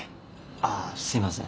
あすいません。